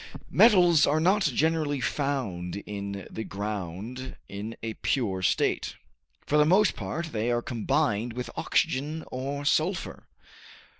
Metals are not generally found in the ground in a pure state. For the most part they are combined with oxygen or sulphur.